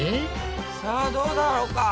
さあどうだろうか？